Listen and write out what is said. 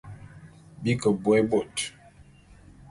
Bi ke bôé bôt.